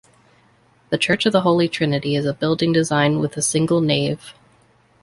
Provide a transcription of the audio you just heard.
The church of the Holy Trinity is a building design with a single nave.